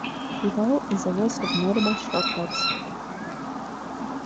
Below is a list of notable shortcuts.